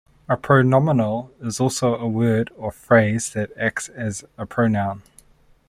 A pronominal is also a word or phrase that acts as a pronoun.